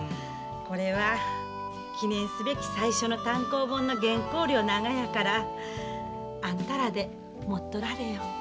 これは記念すべき最初の単行本の原稿料ながやからあんたらで持っとられよ。